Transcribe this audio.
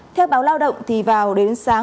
theo báo lao động thì vào đến sáng